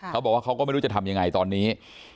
เขาบอกว่าเขาก็ไม่รู้จะทำยังไงตอนนี้